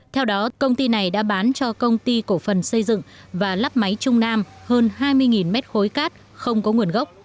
theo đó công ty này đã bán cho công ty cổ phần xây dựng và lắp máy trung nam hơn hai mươi mét khối cát không có nguồn gốc